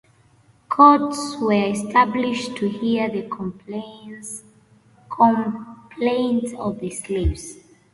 Courts were established to hear the complaints of the slaves.